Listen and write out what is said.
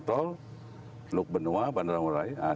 tol teluk benua bandara ngurah rai